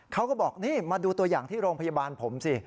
เขาก็บอกนี่มาดูตัวอย่างที่โรงพยาบาลผมสิ